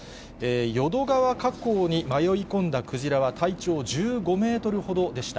淀川河口に迷い込んだクジラは体長１５メートルほどでした。